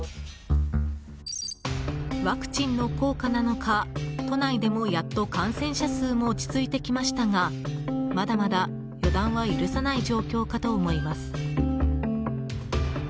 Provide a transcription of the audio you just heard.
「ワクチンの効果なのか都内でもやっと感染者数も落ち着いてきましたがまだまだ予断は許さない状況かと思います。